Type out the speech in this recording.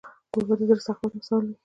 کوربه د زړه د سخاوت مثال وي.